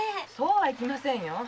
そうはいきませんよ。